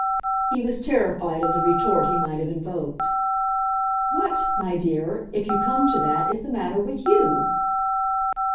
He was terrified of the retort he might have invoked: "What, my dear, if you come to that, is the matter with YOU?"